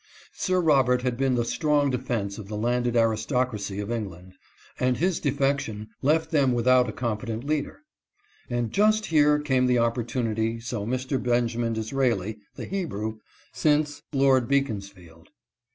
Sir Robert had been the strong defense of the landed aristocracy of England, and his defection left them with out a competent leader ; and just here came the opportu nity so Mr. Benjamin Disraeli, the Hebrew, since Lord Beaconsfield.